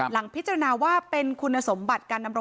หลังพิจารณาว่าเป็นคุณสมบัติการ